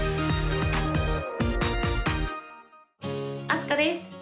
あすかです